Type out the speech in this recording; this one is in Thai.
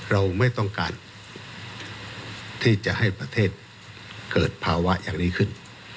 เราไม่ต้องการที่จะให้ประเทศเกิดภาวะอย่างนี้ขึ้น